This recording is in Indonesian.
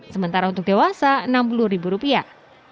sementara untuk dewasa enam puluh ribu rupiah